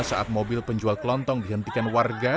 saat mobil penjual kelontong dihentikan warga